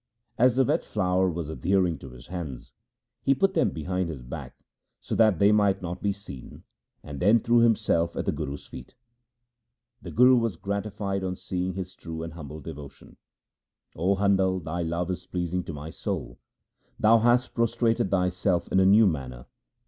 As the wet flour was adhering to his hands, he put them behind his back, so that they might not be seen, and then threw himself at the Guru's feet. The Guru was gratified on seeing his true and humble devotion —' O Handal, thy love is pleasing to my soul ; thou hast prostrated thyself in a new manner.